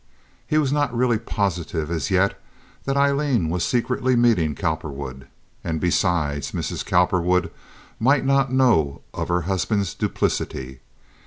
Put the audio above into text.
He was not really positive as yet that Aileen was secretly meeting Cowperwood, and, besides, Mrs. Cowperwood might not know of her husband's duplicity.